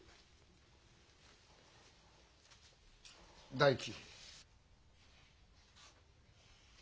大樹。